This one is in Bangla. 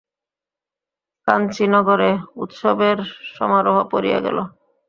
কাঞ্চীনগরে উৎসবের সমারোহ পড়িয়া গেল।